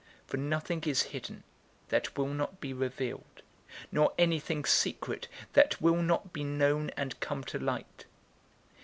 008:017 For nothing is hidden, that will not be revealed; nor anything secret, that will not be known and come to light.